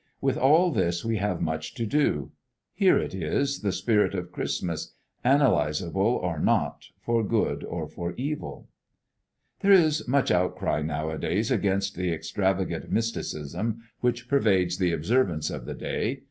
With all this we have much to do. Here it is, the spirit of Christmas, analyzable or not, for good or for evil. There is much outcry nowadays against the extravagant mysticism which pervades the observance of the day.